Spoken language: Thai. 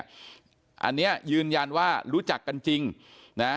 อันนี้ยืนยันว่ารู้จักกันจริงนะ